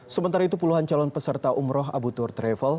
sementara itu puluhan calon peserta umroh agutur travel